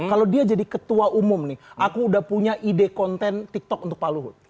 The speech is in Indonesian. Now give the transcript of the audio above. kalau dia jadi ketua umum nih aku udah punya ide konten tiktok untuk pak luhut